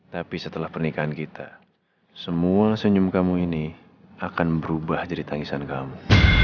tapi setelah pernikahan kita semua senyum kamu ini akan berubah jadi tangisan kamu